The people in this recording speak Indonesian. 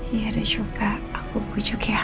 iya dia juga aku pujuk ya